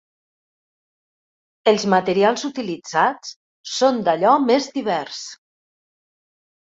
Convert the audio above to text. Els materials utilitzats són d'allò més divers.